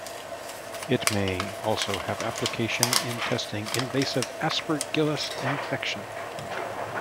It may also have application in treating invasive "Aspergillus" infection.